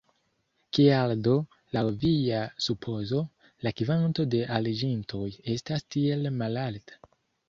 Kial do, laŭ via supozo, la kvanto de aliĝintoj estas tiel malalta?